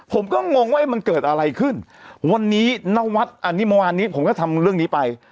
ผมก็งงว่ามันเกิดอะไรขึ้นวันนี้นวัดอันนี้เมื่อวานนี้ผมก็ทำเรื่องนี้ไป